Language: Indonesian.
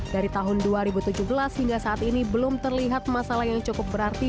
dari tahun dua ribu tujuh belas hingga saat ini belum terlihat masalah yang cukup berarti